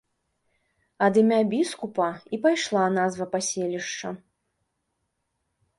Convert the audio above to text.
Ад імя біскупа і пайшла назва паселішча.